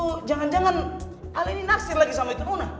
tuh jangan jangan alih ini naksir lagi sama itu nona